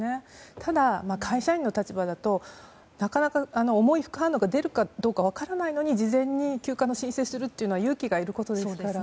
ただ、会社員の立場だとなかなか重い副反応が出るかどうか分からないのに事前に休暇の申請をすることは勇気がいることです。